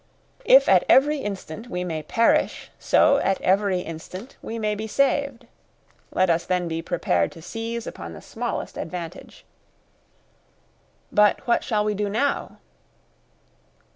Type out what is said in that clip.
If at every instant we may perish, so at every instant we may be saved. Let us then be prepared to seize upon the smallest advantage." "But what shall we do now?"